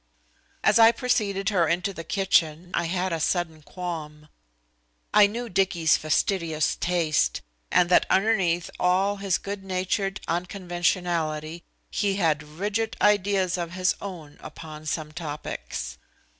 As I preceded her into the kitchen I had a sudden qualm. I knew Dicky's fastidious taste, and that underneath all his good natured unconventionality he had rigid ideas of his own upon some topics.